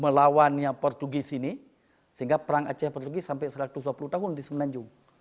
melawannya portugis ini sehingga perang aceh portugis sampai satu ratus dua puluh tahun di semenanjung